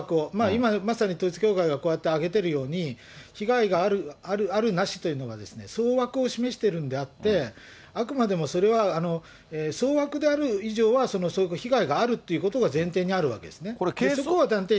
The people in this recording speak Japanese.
今、まさに統一教会がこうやって挙げているように、被害がある、ないというのは、総額を示してるんであって、あくまでもそれは総枠である以上は総額被害があるってことが前提にあるわけですね。